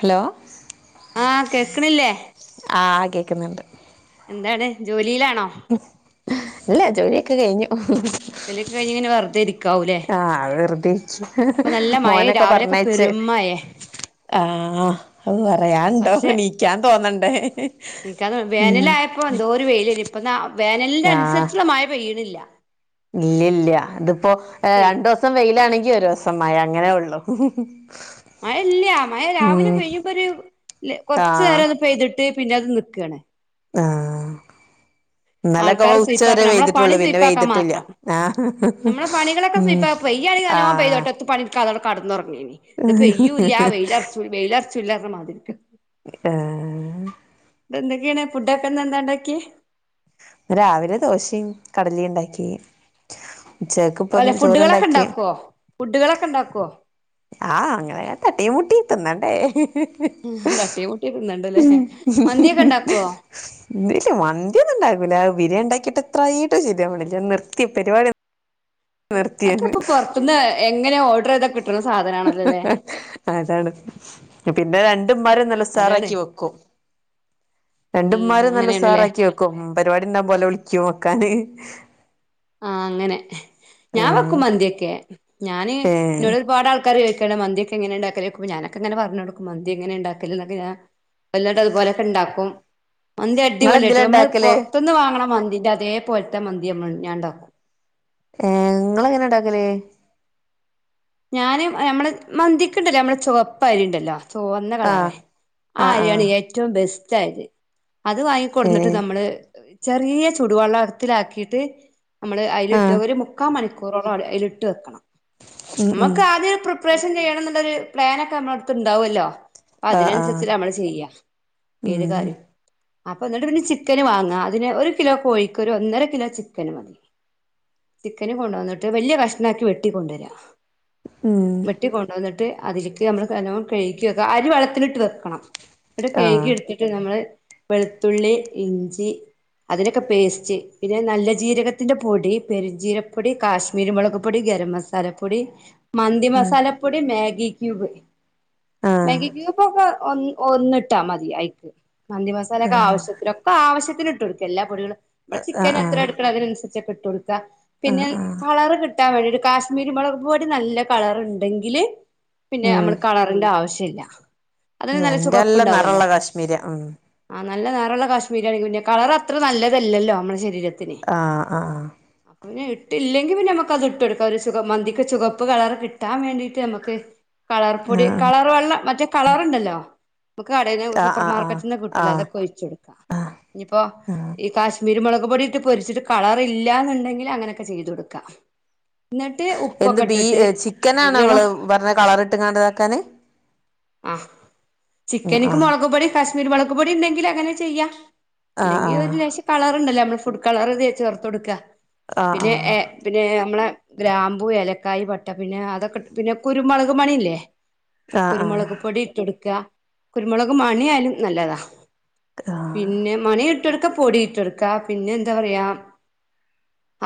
Hello ആഹ കേക്ണില്ലേ ആ കേക്കുന്ന്ണ്ട് ന്താണ് ജോലിയിലാ ഇല്ല ജോലിയൊക്കെ കഴിഞ്ഞു ജോലിയൊക്കെ കഴിഞ്ഞ് ഇങ്ങനെ വെറുതെരി ആഹ വെറുതെരിച്ച ഇപ്പൊ നല്ല മഴ മോനൊക്കെ രാവിലെയൊക്കെ പറഞ്ഞയച്ച് പെരും മഴേ ആഹ അത് പറയാന്ണ്ടോ പക്ഷെ നീക്കാൻ തോന്നണ്ടേ ഇപ്പം എന്തൊരു വെയിലേനി ഇപ്പാ വേനലിന്റെ അനുസരിച്ചുള്ള മഴ പെയ്യുന്നില്ല ഇല്ലല്ല ഇതിപ്പോ പെയ് രണ്ടു ദിവസം വെയിലാണെങ്കിൽ ഒരു ദിവസം മഴ അങ്ങനെ ഉള്ളു മഴ ഇല്ല മഴ രാവിലെ ഉം പെയ്യുമ്പൊ ഒരു കൊറച്ചു ആഹ് നേരം അത് പെയ്തിട്ട് പിന്നെ അത് നി ക്കണ് ആ ഇന്നലെക്കൊ ആൾക്കാര് ഉച്ചവരെ സ്വീപ്പാക്കണം നമ്മളെ പെയ്തി പണി ട്ടുള്ളു പിന്നെ സ്വീപ്പാക്കാൻ പെയ്തിട്ടുല്ല മാത്രം ആ നമ്മളെ പണികളൊക്കെ ഉം സ്വീപ്പാക്ക പെയ്യാണെങ്കിൽ നല്ലോം ആഹ് പെയ്യത്തോട്ടെ എത്തും പണി [unintelligible] കടന്നുറങ്ങിയീനി ഇത് പെയ്യൂല്ല ആ വെയിലറച്ചു വെയിലറച്ചുല്ലാ പറഞ്ഞ മാതിരി ആഹ ഇന്നട്ട് എന്തൊക്കെയാണ് ഫുഡൊക്കെന്ന എന്താണ്ടാക്കിയെ രാവിലെ ദോശയും കടലിണ്ടാക്കി അല്ലെ ഫുഡുകളൊക്കെ ഇണ്ടാക്കോ ഫുഡുകളൊക്കെ ഇണ്ടാക്കോ ആഹ് അങ്ങനെ തട്ടിയും മുട്ടി തിന്നണ്ടേ തട്ടിയും മൂട്ടി തിന്നണ്ടല്ലേ മന്തിയൊക്കെണ്ടാക്കുവോ മന്തിയൊന്നുണ്ടാക്കൂല ബിരിയാണ് ണ്ടാക്കിട്ട് എത്രയിട്ടും ശെരിയാവുന്നില്ല നിർത്തി പരിപാടി നി അക്കെ അപ്പൊ പുറത്തുന്ന് എങ്ങനെ ഓ അതാണ് പിന്നെ രണ്ട് രണ്ടുമ്മാരും നല്ല അതാണ് ഉസാറാക്കി വെക്കും രണ്ടുമ്മാരും നല്ല അങ്ങനെയാണല്ലേ ഉസാറാക്കി വെക്കും പരിപാടിണ്ടാവുമ്പോള്‍ ഓലെ വിളിക്കും വെക്കാന് ആഹ അങ്ങനെ ഞാൻ ആഹ് വെക്കും മന്തിയൊക്കെ ഞാന് ഏഹ് ഇന്നോട് ഒരുപാട് ആൾക്ക അക്കറിയോ ചോദിക്കണ് മന്തിയൊക്കെ എങ്ങനെ ഉണ്ടാക്കല് ചോയിക്കുമ്പോള്‍ ഞാനൊക്കെങ്ങെ പറഞ്ഞ്കൊടുക്കും മന്തി എങ്ങെണ്ടാക്കലൊക്കെ ഞാന വല്ലാണ്ട് അതുപോലൊക്കെണ്ടാക്കും മന്തി നിങ്ങളെന്തില അടിപൊളിയാട്ടോ നമ്മൾ ഉണ്ടാക്കല് പുറത്തിന്ന് വാങ്ങ്ണ മന്തിന്റെ അതെപോലത്തെ മന്തി ഞാൻണ്ടാക്കും ഏ ഇങ്ങളെങ്ങനെ ഇണ്ടാക്കൽ ഞാന്‍ നമ്മളെ മന്തിക്കണ്ടല്ലോ നമ്മളെ ചുവപ്പായിരിണ്ടല്ലോ ചോന്ന കളറേ ആഹ് ആ ആഹ് അരിയാണ് ആഹ് ഏറ്റവും ബെസ്റ്റ് ആയത് അത് വാങ്ങിക്കൊടുന്നിട്ട് ഏഹ് നമ്മള് ചെറിയ ചുടുവെള്ളത്തിലാക്കിട്ട് നമ്മള് അതിലിട്ട് ആഹ് ഒരു മുക്കാൽ മണിക്കൂറോളം അതിലിട്ട് വെക്കണം ഉം ഉം മ്മക്ക് ആദ്യം ഒരു പ്രിപ്പ ആഹ് ആഹ് അതിനനുസരിച്ചട്ടാ നമ്മള് ചെയ്യാ ഏത് ഉം കാര്യം അപ്പൊ എന്നിട്ട് പിന്നെ ചിക്കന് വാങ്ങാ അതിന് ഒരു കിലോ കോഴിക്ക് ഒരു ഒന്നര കിലോ ചിക്കന് മതി ചിക്കന് കൊണ്ടോന്നിട്ട് വലിയ കഷ്ണമാക്കി വെട്ടിക്കൊണ്ടുവരാ ഉം വെട്ടികൊണ്ട് വന്നിട്ട് അതിലേക്ക് നമ്മൾ നല്ലോം കഴുകി വെക്ക അരി വെള്ളത്തിലിട്ട് വെക്കണം ഇവിടെ ആഹ് കഴുകിയെടുത്തിട്ട് നമ്മൾ വെളുത്തുള്ളി ഇഞ്ചി അതിനൊക്കെ പേസ്റ്റ് പിന്നെ നല്ല ജീരകത്തിന്റെ പൊടി പെരിചീരകപ്പൊടി കാശ്മീരിമുളക് പൊടി ഗരം മസാലപ്പൊടി മന്തി മസാലപ്പൊടി മാഗി ഗി ഗ്യുബ് ആഹ് മാഗി ക്യൂബ് ഒക്കെ ഒ ഒന്നിട്ടാ മതി അയിക്ക് മന്തി മസാല ഒക്കെ ആഹ് ആവശ്യത്തിനൊക്കെ ആവശ്യത്തിന് ഇട്ട്കൊടുക്ക എല്ലാ പൊടികളും [unintelligible] ചിക്കൻ എത്ര ആഹ് എടുക്കണേ അതിനനുസരിച്ച് ഇട്ട്കൊടുക്കാ പിന്നെ ആഹ് ആഹ് കളർ കി കത്താൻ വേണ്ടി ഒരു കാശ്മീരി മുളക് പൊടി നല്ല കളറുണ്ടെങ്കിൽ പിന്നെ നമ്മൾ കളറിന്റെ ആവശ്യ അന്റെ എല്ലാം നിറള്ള കാശ്മീരിയ ഉം ആ നല്ല നറള്ള കാശ്മീരി ആണെങ്കിലും കളർ അത്ര നല്ലതല്ലല്ലോ നമ്മുടെ ശരീരത്ത് ആ ആ പിന്നെ ഇട്ടില്ലെങ്കിൽ പിന്നെ നമ്മുക്ക് അത് ഇട്ട് കൊടുക്കാം ഒരു മന്തിക്ക് ചുഖപ്പ് കളർ കിട്ടാൻ വേണ്ടീട്ട് നമുക്ക് കളർ പൊടി ആഹ് കളർ വെള്ളം മറ്റേ കളറുണ്ടല്ലോ നമുക്ക് കടയില് ആഹ് സൂപ്പർ ആഹ് ആഹ് ആഹ് മാർക്കറ്റിന്ന് കിട്ടുല്ല ആഹ് അതൊക്കെ ഒഴിച്ച് കൊടുക്കാം ആഹ് ഇനിയിപ്പോ ആഹ് ഈ കാശ്മീരിമുള ക് പൊടി ഇട്ട് പൊരിച്ചിട്ട് കളറില്ലാന്നുണ്ടെങ്കിൽ അങ്ങനെയൊക്കെ ചെയ്തു കൊടുക്കാം എന്നിട്ട് എന്ത് ഉപ്പൊക്കെ ബീ ഇട്ടിട്ട് ചിക്കനാണോ ഇങ്ങള് നല്ലോണം പറഞ്ഞ കളർ ഇട്ട്ങ്ങണ്ടതാക്കാന് ആഹ് ചിക്കനിക്ക് ആഹ് മുളകുപൊടി കാശ്മീരി മുളകുപൊടി ഉണ്ടെങ്കിൽ അങ്ങനെ ചെയ്യാ ആഹ് അല്ലെങ്കിൽ ഒരു ലേശം കളറുണ്ടല്ലേ നമ്മള് ഫുഡ് കളർ ഇതി ചേർത്ത് കൊടുക്കാ ആഹ് പിന്നെ എ ആഹ് പിന്നെ നമ്മള ഗ്രാമ്പൂ ഏല ക്കായി വട്ട പിന്നെ അതൊക്കെ ഇട്ട് പിന്നെ കുരുമുളക് മണില്ലേ ആഹ് ആഹ് കുരുമുളക് പൊടി ഇട്ടൊടുക്ക കുരുമുളക് മണിയാലും നല്ലതാ പിന്നെ മണി ഇട്ടൊടുക്ക പൊടിഇട്ടൊടുക്കാ പിന്നെ എന്താ പറയാ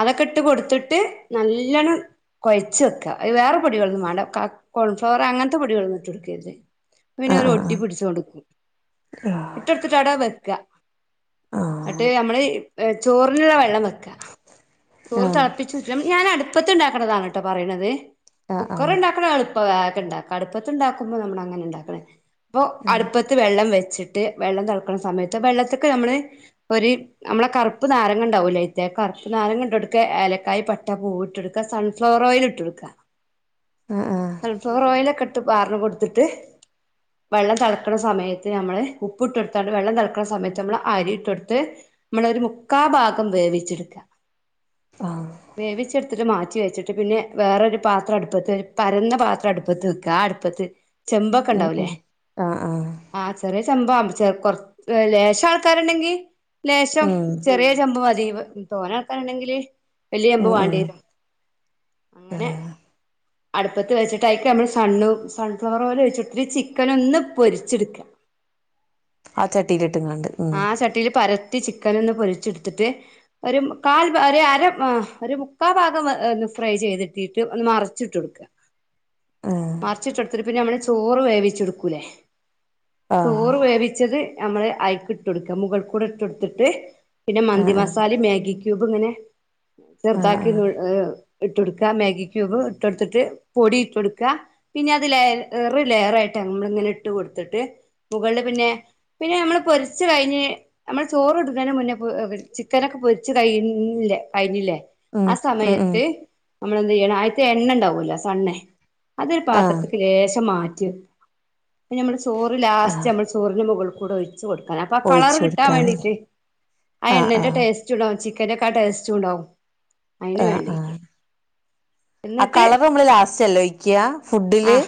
അതൊക്കെ ഇട്ട് കൊടുത്തിട്ട് നല്ലോണ്ണം കൊഴച്ച് വെക്കാ അത് വേറെ പൊടികളൊന്നും വേണ്ട ക കോൺഫ്ലവർ അങ്ങനത്തെ പൊടികളൊന്നും ഇട്ടൊടുക്കരുത് ആഹ് ആഹ് പിന്നെ ആഹ് ആഹ് ആഹ് ആഹ് ആഹ് ആഹ് ഒരു ആഹ് ഒട്ടി പിടിച്ചോണ്ട്ടുക്കും ഇട്ടൊടുത്തിട്ട് അവിടെ വെക്ക നട്ട് നമ്മള് ചോറിനുള്ള വെള്ളം വെക്കാ തോറ് തിളപ്പിച്ചുറ്റും ഞാൻ അടുപ്പത്ത് ഉണ്ടാക്കണതാണ് എട്ടോ പറയണത് കുക്കറുണ്ടാക്കണെളു [unintelligible] ഉണ്ടാക്ക അടുപ്പത്ത് ഉണ്ടാക്കുമ്പോ നമ്മൾ അങ്ങനെ ഉണ്ടാക്കണെ അപ്പൊ അടുപ്പത്ത് വെള്ളം വെ വെച്ചിട്ട് വെള്ളം തെളക്കണ സമയത്ത് വെള്ളത്തിക്ക്‌ നമ്മള് ഒരു നമ്മളെ കറുപ്പ് നാരങ്ങ ഉണ്ടാവൂലേ [unintelligible] കറുപ്പ്നാരങ്ങ ഇട്ടൊടുക്ക ഏലക്കായായി പട്ട പൂവ് ഇട്ടൊടുക്ക സൺ സൺഫ്ലവർ ഓയിൽ ഇട്ടൊടുക്ക ആഹ് ആഹ് ആഹ് സൺഫ്ലവർ ഓയിയില ഒക്കെ ഇട്ട് പാർന്ന് കൊടുത്തിട്ട് വെള്ളം തിളക്കണ സമയത്ത് നമ്മള് ഉപ്പ് ഇട്ടൊടുത്താല് വെള്ളം തിളക്കണ സമയത്ത് നമ്മള് അരി ഇട്ട്കൊടുത്ത് നമ്മളൊരു മുക്കാ ഭാഗം വേവിച്ചെട്ക്ക ആഹ് വേവിച്ചെട്ത്തിട്ട് മാറ്റി വെച്ചിട്ട് ട്ട് പിനേ വേറൊരു പാത്രം അടുപ്പത്ത് പരന്ന പാത്രം അടുപ്പത്ത് വെക്കാ ആ അട്പ്പത്ത് ചെമ്പൊക്കെ ഉം ഉണ്ടാവൂല്ലേ ഉം ആഹ് ആഹ് ആ ചെറിയ ചെമ്പാ ചേർ കൊർ ലേശം ആൾക്കാര്ണ്ടെങ്കി ലേശം ഉം ചെറിയ ചെമ്പ് മതി തോന ആൾക്കാര്ണ്ടെങ്കില് വെല്ല്യ ചെമ്പ് വാണ്ടി വരും അങ്ങനെ ആഹ് അടുപ്പത്ത് വെച്ചിട്ടയ്ക്കമ്മള് സണ്ണു സൺഫ്ലവർ ഓയില് ഒയ്ച്ച് ട്ട് ത് ചിക്കനൊന്ന് പൊരിച്ച്ട്ക്ക ആ ചട്ടിയിലിട്ടുംങ്ങാണ്ട് ഉം ട്ട് ചിക്കനൊന്ന് പൊരിച്ചെടുത്തിട്ട് ഒരു കാൽ വ ഒരു അര വാ ഒരു മുക്കാ ഭാഗം വെ ഫ്രൈ ചെയ്തിട്ടീട്ട് ഒന്ന് മറിച്ചിട്ടൊട്ക്കാ ആഹ് മറിച്ചിട്ടൊടുത്തിട്ട് പിന്നെ നമ്മള് ചോറ് വേവിച്ചെടുക്കൂലേ ആഹ് ചോറ് വേവിച്ചത് നമ്മള് അയ് ‌ ഇട്ടൊട്ക്ക മുഗൾകൂടെ ഇട്ടോട്ത്ത്ട്ട് പിന്നെ ആഹ് മന്തി ആഹ് മസാലേം മാഗി ക്യൂബ് ഇങ്ങനെ ആഹ് ആഹ് ചെറുതാക്കിന്നുൾ ഏ ഇട്ടൊട്ക്കാ മാഗി ക്യൂബ് ഇട്ടൊട് ത്തിട്ട് പൊടി ഇട്ടൊഡ്ക്കാ പിനത് ലെയ്റ് ലെയറായിട്ടാ നമ്മള് ഇങ്ങനെ ഇട്ട് കൊട് ത്ത്ട്ട് മുഖൾല് പിനെ പിനെ നമ്മള് പൊരി പൊരിച്ച് കഴിഞ്ഞ് നമ്മള് ചോറ് ഇടുന്നേന് മുന്നേ പോ ചിക്കനൊക്കെ പൊരിച്ച് കഴിഞ്ഞില്ലേ കഴിഞ്ഞില്ലേ ആ ഉം ഉം ഉം സമയത്ത് നമ്മളെന്തെയ്യണം അയ്ത്തെ എണ്ണ ഇണ്ടാവോലൊ സണ്ണ് അതൊരു ആഹ് പാത്രത്ത്ക്ക് ലേശം മാറ്റി ചോറ് ലാസ്റ്റ് ആഹ് നമ്മൾ ചോറിന് മുകൾ കൂടെ ഒഴിച്ച് കൊടു ക്കാനാ അപ്പ ഒഴിച്ചു കളറ് കിട്ടാൻ കൊടുക്കാനല്ലേ വേണ്ടീട്ട് ആ ആഹ് എണ്ണന്റെ ആഹ് ട്ടേസ്റ്റ് ഇടോ ചിക്ക - ചിക്കനൊക്കെ ആ ടേസ്റ്റുണ്ടാവും അയ്ന് ആഹ് വേണ്ടിട്ട് ആഹ് ആ എന്നിട്ട് കളർ നമ്മള് ലാസ്റ്റല്ലേ ഒഴിക്ക്യാ ഫുഡില്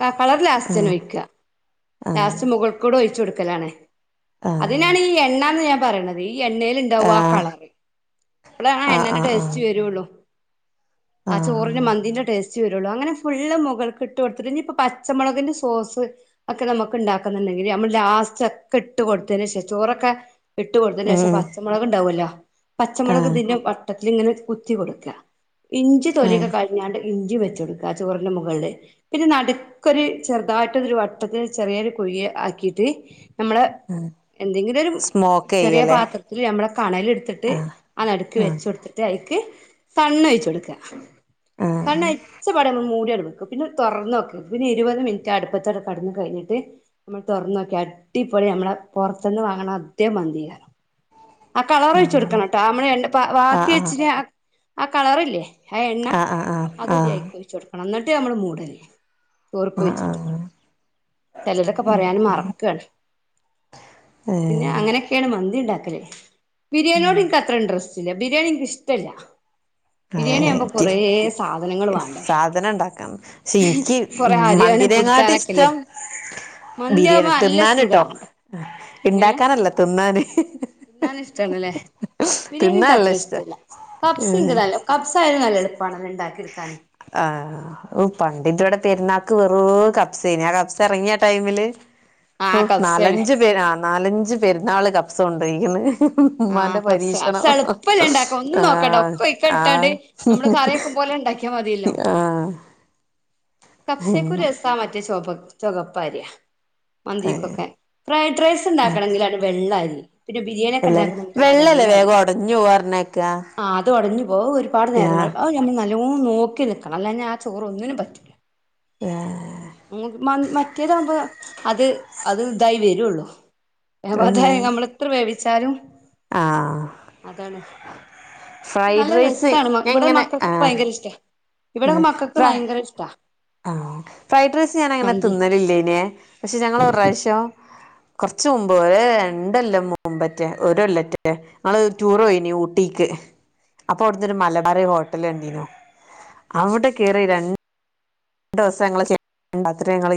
കാ കളർ ആഹ് ലാസ്റ്റെനൊയ്ക്കാ ആഹ് ലാസ്റ്റ് മുകൾക്കൂടൊയ്ച്ചൊട് ക്കലാണ് ആഹ് അതിനാണ് ഈ എണ്ണാന്ന് ഞാൻ പറയണത് ഈ എണ്ണേല്ണ്ടാവും ആ ആഹ് കളറ് പ്പളാ ആ എണ്ണന്റെ ആഹ് ആഹ് ട്ടേസ്റ്റ് വെരൊള്ളൂ ആ ആഹ് ചോറിന് ആഹ് മന്തിന്റെ ടേസ്റ്റ് വരു വരൂള്ളൂ അങ്ങനെ ഫുള്ള് മുകൾക്ക് ഇട്ട് കൊട്തിട്ട് ഇനി ഇപ്പൊ പച്ചമുളകിന്റെ സോസ് ഒക്കെ ന്നമുക്ക് ഉണ്ടാക്കുന്നുണ്ടെങ്കില് ഞമ്മള് ലാസ്റ്റ് - ഇട്ട് കൊടുത്തന് ശേഷം ചോറൊക്കെ ഇട്ട് കൊടുത്തന് ശേഷം ഉം പച്ചമുളക് ണ്ടാവല്ലോ- ആഹ് പച്ചമുളക്തിന്നെ വട്ടത്തി ഇങ്ങനെ കുത്തി കൊടുക്ക ഇഞ്ചി തൊലിയൊക്കെ ആഹ് കളഞ്ഞാണ്ട്. ഇഞ്ചി വെച്ചടുക്കുക ആ ചോറിന്റെ മുകളില് പിന്നെ നടുക്കൊരു ചെറുതായിട്ട് ഒരു വട്ടത്തിന് ചെറിയ -ചെറിയൊരു കുയി ആക്കിട്ട് നമ്മള ആഹ് എന്തെങ്കിലും ഒരു- സ്മോക്ക് ചെറിയ ചെയ്യല്ലേ പാത്രത്തിൽ ഞമ്മളെ കണലെടുത്തിട്ട് ആഹ് അ നടുക്ക് ആഹ് വെച്ച കൊടുത്തിട്ട് അ- തണ്ണഴച്ച കൊടുക്ക ആഹ് തണ്ണഴച്ച പട നൾ മൂടിയടടുക്ക- പിന്നെ തുറന്ന നോക്കി പിന്നെ ഇരുപത് മിനിറ്റ് അടുപ്പത്തെടെ കടന്നു കഴിഞ്ഞിട്ട് നമ്മൾ തുറന്ന നോക്ക- അടിപൊളി നമ്മളെ പുറത്തുന്ന് വാങ്ങണം അതെ മന്തി അയക്കാരം. ആ കളർ വച്ച കൊടുക്കണംട്ടോമ്മള് എ ബാക്കി ആഹ് വെച്ചി ആഹ് ആ കളർല്ലേ? ഹ എണ്ണ ആഹ് ആഹ് അത് ആഹ് അയിക്കോഴിച്ച കൊടുക്കണം എന്നിട്ട് നമ്മുടെ മൂടല്ലേ ർക്ക് ആഹ് വച്ചിട്ട് ആഹ് ചിലതൊക്കെ പറയാനും മറക്കാണ്. പിന്നെ ഏഹ് അങ്ങനെയൊക്കെയാണ് മന്തി ഉണ്ടാക്കലേ ബിരിയാണിയോട്നക്ക് അത്ര ഇന്ട്രെസ്റ് - ബിരിയാണി നിക് ഇഷ്ടല്ല. ആ ബിരിയാണി ആകുമ്പോ എനിക്ക് കൊറേ സാധനങ്ങൾ വേണ്ടേ സാധന ഉണ്ടാക്കാം പക്ഷെ എനിക്ക് കൊറെ മ - അരിയാനും ബരിങ്ങാട്ട പുടിച്ചാനൊക്കെല്ലേ ഇഷ്ടം ബിരിയാണി മന്തിയാവുമ്പോ നല്ല തിന്നാന് സുഖാ ട്ടൊ. ഇങ്ങനെ ഉണ്ടാക്കാനല്ല തിന്നാന്. തിന്നാൻ ഇഷ്ടാണല്ലേ ബിരിയാണി തിന്ന നല്ല ഇഷ്ട. കബ്സയത് നല്ല എളുപ്പമാണ് അത് ണ്ടാക്കിയെടുക്കാൻ. ആ പണ്ടിട്ട ഇവിടെ പെരുന്നാക്ക് വെറു കബ്സേനി ആ കബ്സ ഇറങ്ങിയ ടൈമില്- ആഹ് കബ്സേണ് നാലഞ്ചു പേര് ആ നാലഞ്ചു പേരുന്ന ആള് കപ്സ കൊണ്ടിരിക്കുന്നു. ആഹ് ഉമ്മാന്റെ കബ്സ കബ്സ പരീക്ഷണം എളുപ്പല്ലേ ഇണ്ടാക്കാൻ ഒന്നും ആ നോക്കണ്ട ഒക്കെ അയ്ക്കട്ടാണ്ട് ആ- നമ്മള് കറിവെക്കും പോലെ ഇണ്ടാക്കിയാ ആ കബ്സക്കു രസാ മറ്റേ ച ചുകപ്പാരിയ- ഏഹ് മന്തിക്കൊക്കെ ഫ്രൈഡ് റൈസ് ആഹ് ണ്ടാക്കണെങ്കിൽ അ വെള്ളരി. പിന്നെ ബിരിയാണി ഒക്കെ വെള്ളരി ഉണ്ടാക്കുന്നണ വെള്ളല്ലേ വെള്ളരി വേഗം ഒടഞ്ഞു പോവാ പറഞ്ഞേക്കാ ആ അത് ഉടഞ്ഞു. അപ്പ ഒരുപാട് നേരം അ ഞമ്മൾ നല്ലോ നോക്കി നിക്കണം അന്നെ ആ ചോറ് ഒന്നിനും പറ്റൂല്ല. ഇങ്ങക്ക് മൻ മറ്റേതാവുമ്പോ അത് അത് ഇതായി വരുള്ളു അതായ ആഹ് നമ്മള എത്ര വേവിച്ചാലും ആഹ് അതാണ്. ക്ഷെ ഫ്രൈഡ് നല്ല റൈസ് രസണ് ഞാൻ ഇവിടെ ഇങ്ങനെ ആ മക്കക്കൊക്കെ ഭയങ്കര ഇഷ്ടാ ഇവിടെ മക്കക്ക് ഫ്ര ഭയങ്കര ഇഷ്ട. ആ ഫ്രൈഡ് റൈസ് ഞാൻ അങ്ങനെ മന്തി തിന്നലില്ലേനെ പക്ഷെ ഞങ്ങള് ഒരു പ്രാവശ്യോ- കൊർച്ച് മുമ്പ് ഒര് രണ്ടെല്ലാം മുമ്പറ്റാ ഒരല്ലറ്റോ ഞങ്ങള് ടൂർ പോയിനി ഊട്ടീക്ക്- അപ്പൊ അവിടുന്ന് ഒരു മലബാറെ ഹോട്ടല് കണ്ടീനു അവിടെ കേറി രണ്ട്- ണ്ടേസ ഞങ്ങള് [unintelligible] അത്രങ്ങള്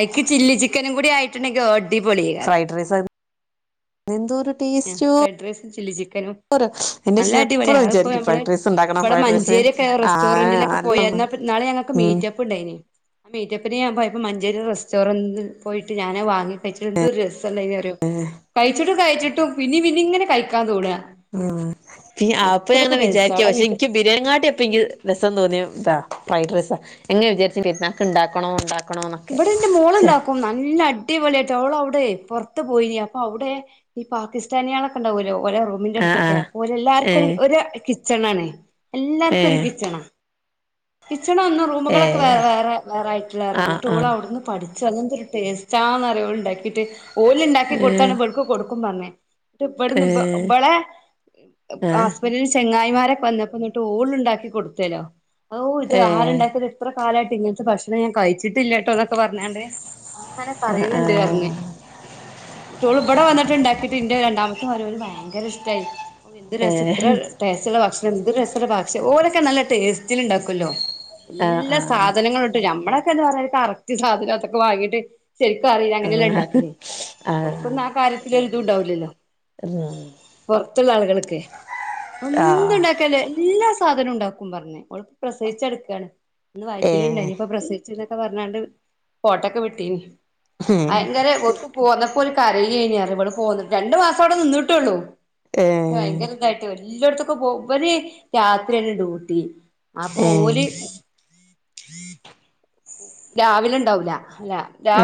ഐക്ക് ചില്ലി ചിക്കനും കൂടി ആയിട്ടുണ്ടെങ്കി അടിപൊളീകാരം. എന്തൊരു അ ഫൈഡ്രൈസുംചില്ലി ചിക്കനും- എന്റെ നല്ല അച്ഛൻ അടിപൊളിയാ എപ്പഴും അതിപ്പൊ വിചാരിക്കും നമ്മള് ഫ്രൈഡ് റൈസ് ഉണ്ടാക്കണം ഇവിടെ ഫ്രൈഡ് റൈസ് മഞ്ചേരിയൊക്കെ ആ റെസ്റ്റോറന്റിലൊക്കെ നല്ലൊന്ന് പോയര്ന്നാ പിന്നെ ഇന്നാള് ഞമ്മക്ക് ഉം മീറ്റപ്പ്ണ്ടായിനി. ആ മീറ്റപ്പിന് ഞാൻ പോയപ്പോ മഞ്ചേരി റെസ്റ്റോറന്റി പോയിട്ട് ഞാനത് വാങ്ങി കഴിച്ചിട്ട് എന്തരു രസണ്ടായിന് അറിയോ. കഴിച്ചിട്ടും കഴിച്ചിട്ടും പിന്നിം പിന്നിം ഇങ്ങനെ കഴിക്കാൻ തോണ്അ. ആ പി അപ്പൊ ഞാൻ അങ്ങനെ ടേസ്റ്റാ വിചാരിക്കുവ അവിടെ പക്ഷെ എനിക്ക് മീറ്റപ്പ് ബിരിയാനിങ്ങാട്ടി എപ്പ എനിക്ക് രസം തോന്നിയ- ഇതാ ഫ്രൈഡ്രൈസാ ങ്ങനെ വിചാര്ച്ച് പരുന്നാക്ക് ഇണ്ടാക്കണോ ഇണ്ടാ ഇവിടെ എന്റെ മോളുണ്ടാക്കും നല്ല അടിപൊളിയാ യിട്ട്. ഓള് അവിടെ പുറത്ത് പോയിനി അപ്പൊ അവിടെ ഈ പാകിസ്ഥാനി യാളൊക്കെ ഇണ്ടാവുഅല്ലോ ഓലെ റൂമിന്റെ ആഹ് അടുത്തൊക്കെ ആഹ് ഓരെല്ലാർക്കും ഒരു ഏഹ് ഒരു കിച്ചണാണ്. എല്ലാർക്കും ഒരു കിച്ചണാ പച്ചണ ഒന്ന് ഏഹ് റൂമുകളൊക്കെ വേ ഏഹ് വേറെ വേറെ ആയിട്ടുള്ള റൂം ആഹ് ആഹ് എൻട്ടോളവ്ടുന്ന് പഠി ച്ച്. എന്ത് ടേസ്റ്റാന്നറിയോ ഓള്ണ്ടാക്കിട്ട്. ഓല്ണ്ടാക്കി ഏഹ് കൊടുത്താണ് ഇബാൾക്കും കൊടുക്കും പറഞ്ഞ്. ഇബട്ന്നിപ്പൊ ഏഹ് ഇബളെ ആഹ് ഹസ്ബന്റിന്റെ ചെങ്ങായി മാരൊക്കെ വന്നപ്പൊ എന്നിട്ട് ഓള് ഉണ്ടാക്കി കൊടുത്തേലോ ഇത് ഏഹ് ആരുണ്ടാക്കിയതാ ഇത്ര കാലായിട്ട് ഇങ്ങൻത്തെ ഭക്ഷണം ഞാൻ കഴിച് ട്ടില്ല ട്ടോ എന്നൊക്കെ പറഞ്ഞാണ്ട് ഇങ്ങനെ ആഹ് പറയുന്നുണ്ട് ആഹ് പർഞ്ഞ്. ന്നിട്ടോള്ബ്ടെ വന്നിട്ട് ഇണ്ടാക്കിട്ട് ഇന്റെ രണ്ടാമത് തോരോര് ഭയങ്കര ഇഷ്ടായി ഔ എന്ത് രസം ഇത്ര ഏഹ് ടേസ്റ്റ് ഉള്ള ഭക്ഷണം എന്ത് രസ ഭക്ഷ ഓരൊക്കെ നല്ല ടേസ്റ്റില് ഉണ്ടാക്കുഅല്ലോ, ആഹ് എല്ലാ ആഹ് സാധനങ്ങളും ഇട്ട് ഞമ്മളെ എന്ത പറ കറക്റ്റ് സാധനത്തൊക്കെ വാങ്ങിട്ട് ശരിക്കും അറിയില്ല അങ്ങനെല്ലെ ആഹ് ഇണ്ടാക്കലാ ആഹ് ഓൽക്കൊന്നും ആ കാര്യത്തിൽ ഒരിതുണ്ടാവില്ലല്ലോ [unintelligible] മറ്റുള്ള ആളുകൾക്ക്. എന്ത് ആഹ് ഇണ്ടാക്ക്യാലും എല്ലാ സാ സാധനനും ഉണ്ടാക്കും പറഞ്ഞ്. ഓള് പ്രസവിച്ചട്ക്കാണ് ഒന്ന് ഏഹ് വയ്റ്റ്ല്ണ്ടായിനി ഇപ്പം പ്രസ വിച്ച്ന്നൊക്കെ പറഞ്ഞാണ്ട് ഫോട്ടൊക്കെ വിട്ടീനി ഭയങ്കര ഓൽക്ക് പോന്ന പ്പോല് കരയേനി പറ്യ ഇവള് പോന്ന്ട്ട് രണ്ടു മാസവിടെ നിന്നിട്ടുള്ളൂ. ഏഹ് ഭയങ്കര ഇതായിട്ട് എല്ലോട്ത്ത്ക്കു പോവും ഇവല് രാത്രിയാണ് ഡ്യൂട്ടി അപ്പൊ ഏഹ് ഓല് രാവിലെ ഇണ്ടാവൂല അല്ല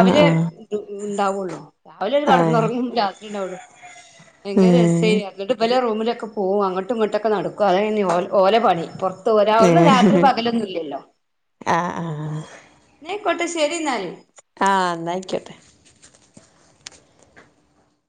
ആഹ് ആഹ് ടും ഉണ്ടാവുള്ളൂ. രാവിലെ ഓല് ആഹ് കടന്നുറങ്ങും രാത്രി ഉണ്ടാവുള്ളൂ ഭയങ്കര ഏഹ് രസായിന് എന്നിട്ട് ഇവലെ റൂമിലൊക്കെ പോവും അങ്ങോട്ടും ഇങ്ങോട്ടൊക്കെ നടക്കും അതായിനി ഓൽ ഓലെ പണി പുറത്ത്പോവ രാവുള്ളൂ രാത്രി ഏഹ് പകലൊന്നുംല്ലല്ലോ ആഹ് ആഹ് ന്ന അയ്ക്കോട്ടെ ശരി ന്നാല് ആഹ് എന്നായിക്കോട്ടെ